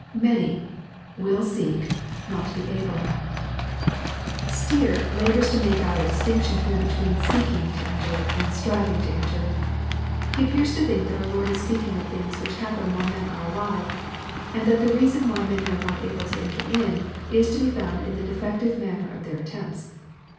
[Many..,wtll seek..jiot he able,] Stier labors to make out a dis tinction here between " seeking" to enter, and " striving" to en« ter. He appears to think that our Lord is speaking of things which happen while men are alive, and that the reason why many are not able to enter in, is to be found in the defective manner of their attempts.